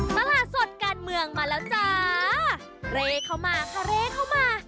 ตลาดสดการเมืองมาแล้วจ้าเร่เข้ามาคาเร่เข้ามา